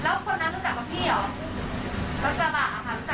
เป็นเพื่อนหรือว่าเป็นพี่เป็นทุกคนไหม